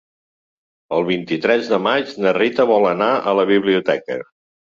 El vint-i-tres de maig na Rita vol anar a la biblioteca.